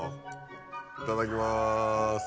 いただきます。